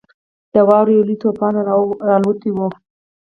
د واورې یو لوی طوفان راالوتی وو.